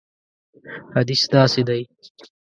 حدیث داسې دی.